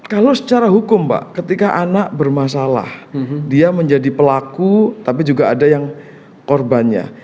kalau secara hukum pak ketika anak bermasalah dia menjadi pelaku tapi juga ada yang korbannya